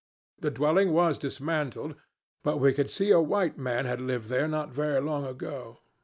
The dwelling was dismantled; but we could see a white man had lived there not very long ago.